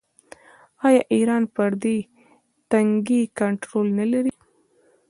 آیا ایران پر دې تنګي کنټرول نلري؟